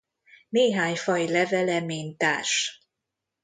Néhány faj levele mintás.